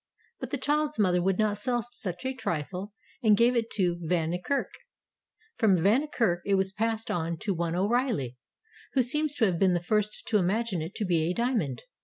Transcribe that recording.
But the child's mother would not sell such a trifle and gave it to Van Niekerk. From Van Niekerk it was passed on to one O'Reilly, who seems to have been the first to imagine it to be a diamond.